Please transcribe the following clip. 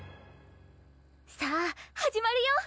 さあ始まるよ！